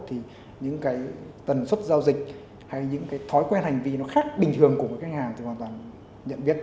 thì những cái tần suất giao dịch hay những cái thói quen hành vi nó khác bình thường của mỗi khách hàng thì hoàn toàn nhận biết